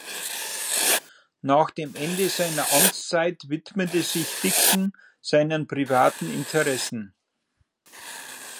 Nach dem Ende seiner Amtszeit widmete sich Dixon seinen privaten Interessen.